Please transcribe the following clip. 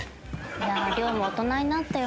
いやあ涼も大人になったよ